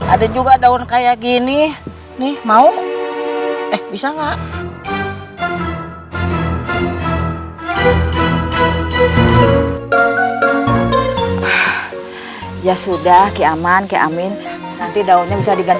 ada juga daun kayak gini nih mau eh bisa enggak